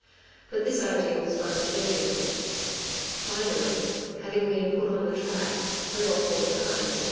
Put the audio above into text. But this idea was one of Julien's. Finally, having been put on the track three or four times, M.